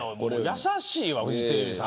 優しいわフジテレビさん。